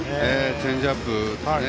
チェンジアップですね。